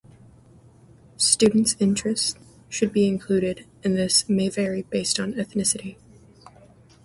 Student’s interests should be included, and this may vary based on ethnicity